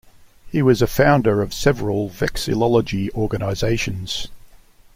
He was a founder of several vexillology organizations.